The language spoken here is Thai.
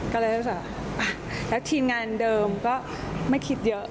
ก็เลยรู้สึกแล้วทีมงานเดิมก็ไม่คิดเยอะ